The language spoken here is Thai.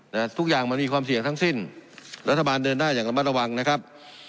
นะทุกอย่างมันมีความเสี่ยงทั้งสิ้นรัฐบาลเดินหน้าอย่างระมัดระวังนะครับ